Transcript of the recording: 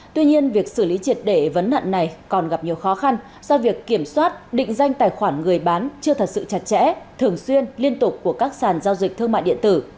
tuy nhiên việc xử lý triệt để vấn nạn này còn gặp nhiều khó khăn do việc kiểm soát định danh tài khoản người bán chưa thật sự chặt chẽ thường xuyên liên tục của các sàn giao dịch thương mại điện tử